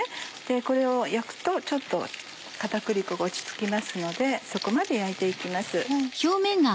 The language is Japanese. これを焼くとちょっと片栗粉が落ち着きますのでそこまで焼いて行きます。